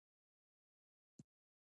آفتونه یې له خپله لاسه زېږي